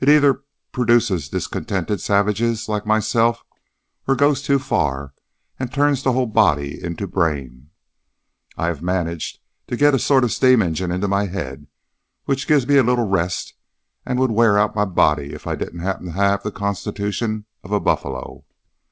It either produces discontented savages like myself or goes too far and turns the whole body into brain. I have managed to get a sort of steam engine into my head which gives me little rest and would wear out my body if I didn't happen to have the constitution of a buffalo.